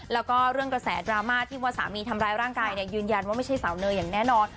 แล้วก็เรื่องกระแสดราม่าที่ว่าสามีทำร้ายร่างกายเนี่ยยืนยันว่าไม่ใช่สาวเนยอย่างแน่นอน